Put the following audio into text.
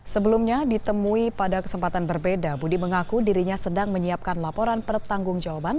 sebelumnya ditemui pada kesempatan berbeda budi mengaku dirinya sedang menyiapkan laporan pertanggung jawaban